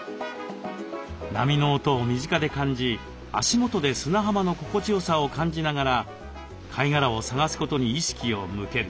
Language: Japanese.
波の音を身近で感じ足元で砂浜の心地よさを感じながら貝殻を探すことに意識を向ける。